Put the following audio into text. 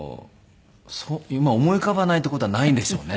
今思い浮かばないっていう事はないんでしょうね。